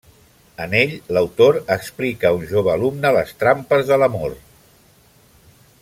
En ell, l'autor explica a un jove alumne les trampes de l'amor.